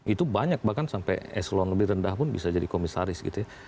itu banyak bahkan sampai eselon lebih rendah pun bisa jadi komisaris gitu ya